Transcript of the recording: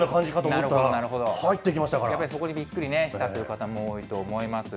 やっぱりそこにびっくりしたという方も多いと思います。